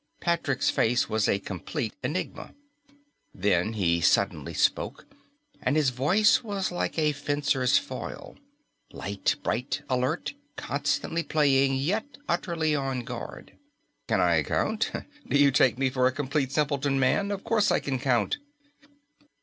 Patrick's face was a complete enigma. Then he suddenly spoke, and his voice was like a fencer's foil light, bright, alert, constantly playing, yet utterly on guard. "Can I count? Do you take me for a complete simpleton, man? Of course I can count!"